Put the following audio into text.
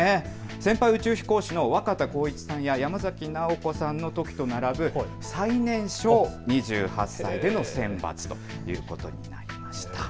先輩宇宙飛行士の若田光一さんや山崎直子さんのときと並ぶ最年少、２８歳での選抜ということになりました。